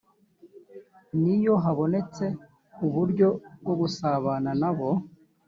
N iyo habonetse uburyo bwo gusabana na bo